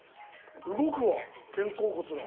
動くわ肩甲骨が。